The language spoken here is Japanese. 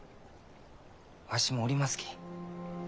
わしもおりますき。